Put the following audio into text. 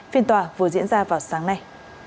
phiên tòa vừa diễn ra vào sáng nay